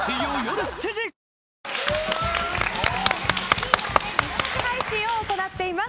ＴＶｅｒで見逃し配信を行っています。